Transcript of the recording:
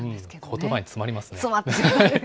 ことばに詰まりますね。